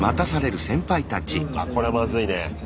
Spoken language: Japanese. あっこれはまずいね。